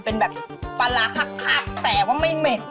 เป็นแบบปลาร้าคักแต่ว่าไม่เหม็น